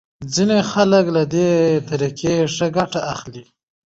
ځینې خلک له دې طریقې ښه ګټه اخلي.